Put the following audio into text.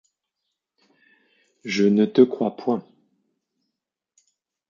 Je ne te crois point.